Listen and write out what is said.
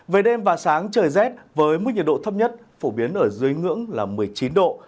về đêm và sáng trời rét với mức nhiệt độ thấp nhất phổ biến ở dưới ngưỡng là một mươi chín độ